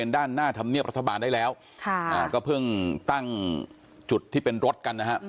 ด้านหน้าธรรมเนียบรัฐบาลได้แล้วก็เพิ่งตั้งจุดที่เป็นรถกันนะครับ